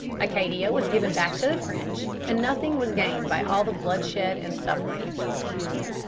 Acadia was given back to the French, and nothing was gained by all the bloodshed and suffering.